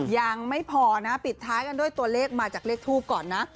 ยังไม่พอนะปิดท้ายกันด้วยตัวเลขมาจากเลขทูปก่อนนะ